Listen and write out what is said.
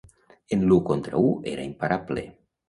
En l'u contra un era imparable.